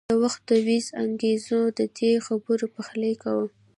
د وخت دودیزو انګېرنو د دې خبرو پخلی کاوه.